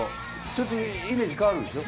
ちょっとイメージ変わるでしょ？